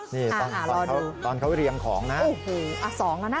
นี่ตอนเขาเรียงของนะอ่ารอดูโอ้โฮสองแล้วนะ